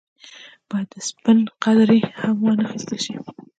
باید د سپڼ قدرې هم څه وانه اخیستل شي.